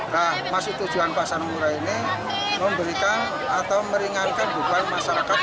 nah maksud tujuan pasar murah ini memberikan atau meringankan beban masyarakat